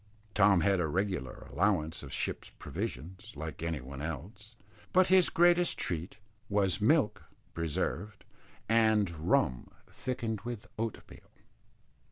Tom had a regular allowance of ship's provisions, like any one else, but his greatest treat was milk (preserved) and rum thickened with oatmeal.